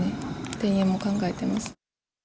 転園も考えてます。